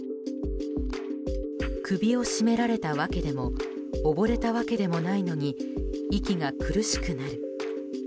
首を絞められたわけでも溺れたわけでもないのに息が苦しくなる。